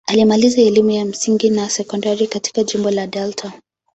Alimaliza elimu ya msingi na sekondari katika jimbo la Delta.